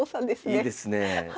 いいですねえ。